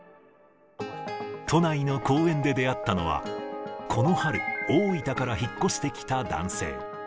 都内の公園で出会ったのは、この春、大分から引っ越してきた男性。